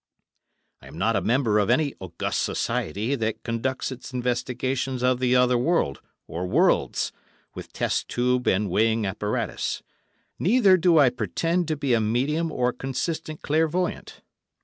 I am not a member of any august society that conducts its investigations of the other world, or worlds, with test tube and weighing apparatus; neither do I pretend to be a medium or consistent clairvoyant.